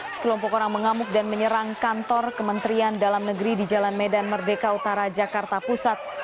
sekelompok orang mengamuk dan menyerang kantor kementerian dalam negeri di jalan medan merdeka utara jakarta pusat